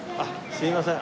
すいません。